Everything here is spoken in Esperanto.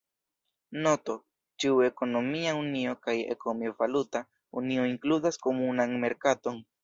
Noto: ĉiu ekonomia unio kaj ekonomi-valuta unio inkludas komunan merkaton.